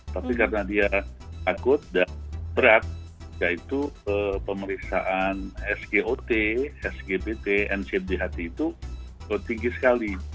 tapi karena dia takut dan berat yaitu pemeriksaan sgot sgbt ncbht itu tinggi sekali